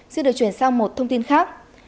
sẽ được chuyển sang một thông tin khác